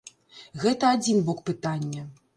Гэта адзін бок пытання.